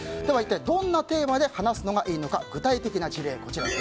どんなテーマで話すのがいいのか具体的な事例。